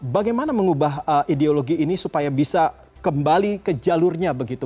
bagaimana mengubah ideologi ini supaya bisa kembali ke jalurnya begitu